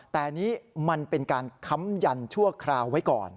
แต่นี่มันเป็นการค้ำยันชั่วคราวไว้ก่อน